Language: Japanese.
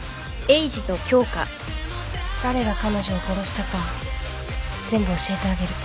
誰が彼女を殺したか全部教えてあげる。